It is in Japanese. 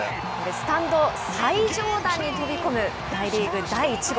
スタンド最上段に飛び込む、大リーグ第１号。